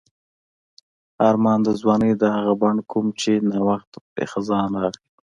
آرمان د ځوانۍ د هغه بڼ کوم چې نا وخت پرې خزان راغی.